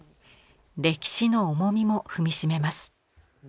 歴史の重みも踏みしめます。